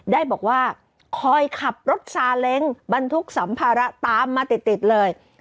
ได้บอกว่าคอยขับรถซาเล้งบรรทุกสัมภาระตามมาติดเลย